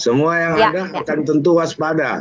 semua yang ada akan tentu waspada